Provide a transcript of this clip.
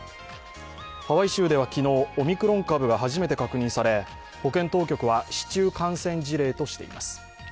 ハワイ州では昨日、オミクロン株が初めて確認され保健当局は市中感染事例としています。